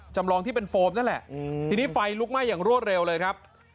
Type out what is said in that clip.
จำลองที่เป็นโฟมนั่นแหละทีนี้ไฟลุกไหม้อย่างรวดเร็วเลยครับ